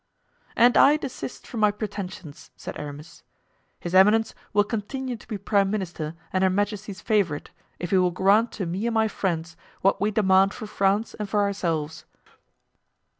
"And I desist from my pretensions," said Aramis. "His eminence will continue to be prime minister and her majesty's favorite, if he will grant to me and my friends what we demand for France and for ourselves."